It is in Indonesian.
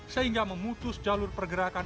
sehingga memutus jalur pergerakan